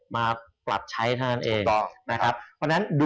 มาปรับใช้นั่นเอง